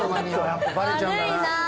やっぱバレちゃうんだな。